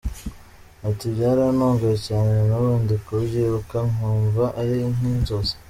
Ati “ Byarantunguye cyane, nanubu ndi kubyibuka nkumva ari nk’inzozi.